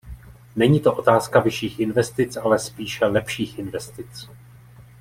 Není to otázka vyšších investic, ale spíše lepších investic.